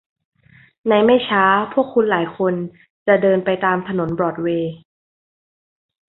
ในไม่ช้าพวกคุณหลายคนจะเดินไปตามถนนบรอดเวย์